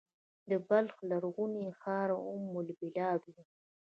د بلخ لرغونی ښار ام البلاد و